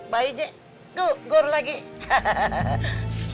jalan jalan lagi hahaha